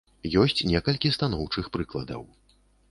Ёсць некалькі станоўчых прыкладаў.